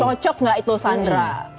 cocok gak itu sandra